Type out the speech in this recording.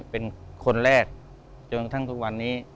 เป็นคนแรกจนกระทั่งทุกวันนี้